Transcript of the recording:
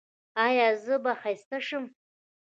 ایا زه به ښایسته شم؟